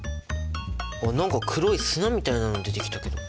何か黒い砂みたいなの出てきたけど。